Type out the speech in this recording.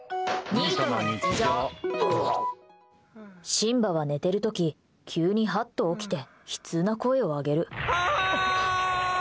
シンバは寝てる時急にハッと起きて悲痛な声を上げる。